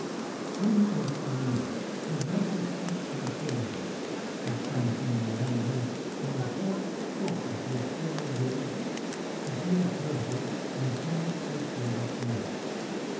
Many of my readers have doubtless kept an aquarium at some time in their life and have stocked it with several goldfish, a small turtle and some fresh water snails.